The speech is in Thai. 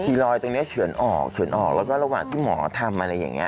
รอยตรงนี้เฉือนออกเฉือนออกแล้วก็ระหว่างที่หมอทำอะไรอย่างนี้